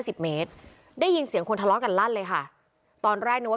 สิบเมตรได้ยินเสียงคนทะเลาะกันลั่นเลยค่ะตอนแรกนึกว่า